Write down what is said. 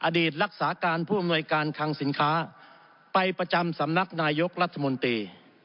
อดีตรักษาการผู้อำนวยการคังสินค้าไปประจำสำนักนายกรัฐมนตรี